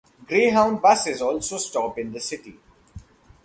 Greyhound buses also stop in the city.